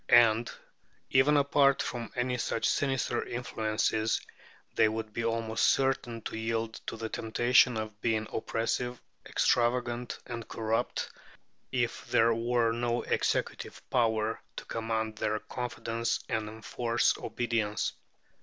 And, even apart from any such sinister influences, they would be almost certain to yield to the temptation of being oppressive, extravagant, and corrupt, if there were no executive power to command their confidence and enforce obedience.